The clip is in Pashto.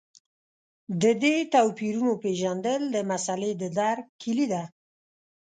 د دې توپیرونو پېژندل د مسألې د درک کیلي ده.